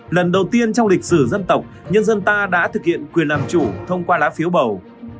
lần đầu tiên trong lịch sử dân tộc nhân dân ta đã thực hiện quyền làm chủ thông qua lá phiếu bầu